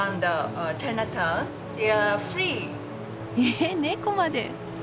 えっ猫まで。